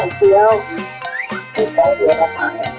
แล้วก็ไอ้ถั่วแก่มแล้วก็ขอดที่